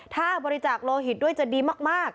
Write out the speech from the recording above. ถ้าบริจาคโลหิตด้วยจะดีมาก